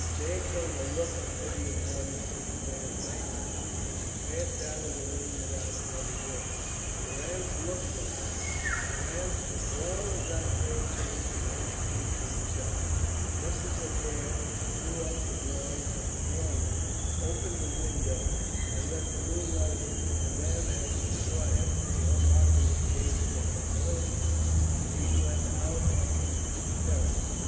There came a look of pity upon Mrs. Adair's face, and she passed out of the room without another word. Durrance took all of that great change in Ethne to himself. Mrs. Adair drew up the blinds of the drawing room, opened the window, and let the moonlight in; and then, as she saw Ethne unlocking the case of her violin, she went out on to the terrace.